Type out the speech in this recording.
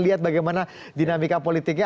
lihat bagaimana dinamika politiknya